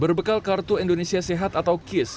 berbekal kartu indonesia sehat atau kis